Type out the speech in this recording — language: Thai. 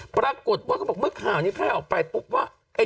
ปรากฏเขาบอกเมื่อข่าวนี้แพร่ออกไปปุ๊บว่า